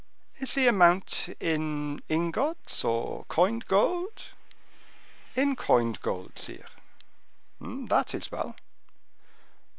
"Is the amount in ingots, or coined gold?" "In coined gold, sire." "That is well."